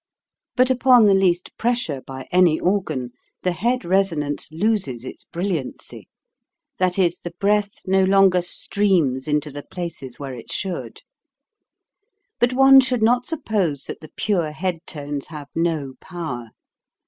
But upon the least pressure by any organ, the head resonance loses its brilliancy; that is, the breath no longer streams into the places where it should. But one should not suppose that the pure head tones have no power.